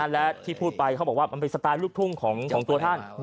และที่พูดไปเขาบอกว่ามันเป็นสไตล์ลูกทุ่งของตัวท่าน